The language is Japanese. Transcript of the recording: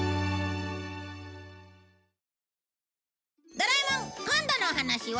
『ドラえもん』今度のお話は